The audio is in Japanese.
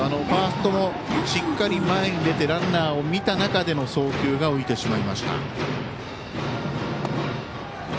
ファーストもしっかり前に出てランナーを見た中での送球が浮いてしまいました。